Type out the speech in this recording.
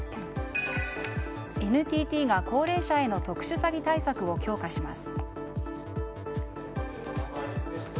ＮＴＴが高齢者への特殊詐欺対策を強化します。